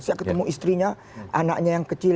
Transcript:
saya ketemu istrinya anaknya yang kecil